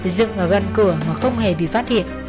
dựng ở gần cửa mà không hề bị phát hiện